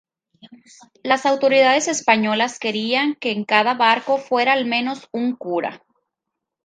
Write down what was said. Las autoridades españolas querían que en cada barco fuera al menos un cura.